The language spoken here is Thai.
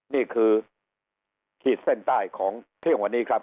นี่คือขีดเส้นใต้ของเที่ยงวันนี้ครับ